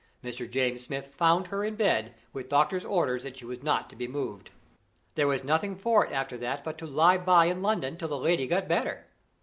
Mr. James Smith found her in bed, with doctor's orders that she was not to be moved. There was nothing for it after that but to lie by in London till the lady got better.